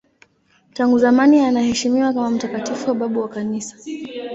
Tangu zamani anaheshimiwa kama mtakatifu na babu wa Kanisa.